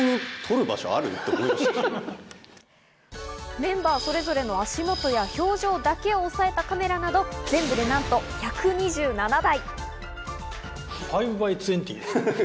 メンバーそれぞれの足元や表情だけを押さえたカメラなど、全部でなんと１２７台。